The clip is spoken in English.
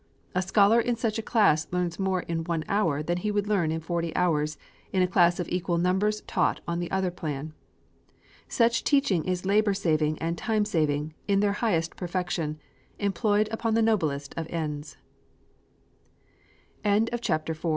A scholar in such a class learns more in one hour than he would learn in forty hours, in a class of equal numbers taught on the other plan. Such teaching is labor saving and time saving, in their highest perfection, employed upon the noblest of ends. V. ON OBSERVING A PROPER ORD